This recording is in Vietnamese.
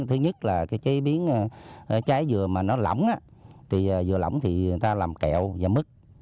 thứ nhất là chế biến trái dừa mà nó lỏng dừa lỏng thì người ta làm kẹo và mứt